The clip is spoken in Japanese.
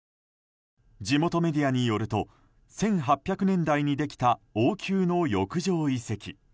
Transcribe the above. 地元メディアによると１８００年代にできた王宮の浴場遺跡。